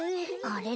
あれ？